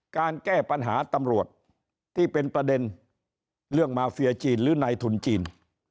การแก้ปัญหาตำรวจที่เป็นประเด็นเรื่องมาเฟียจีนหรือในทุนจีน